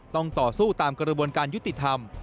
ต้องต่อสู้ตามกระบวนการยุติธรรม